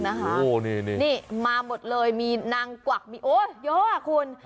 โอ้โหนี่นี่มาหมดเลยมีนางกวักโอ้ยเยอะอะคุณ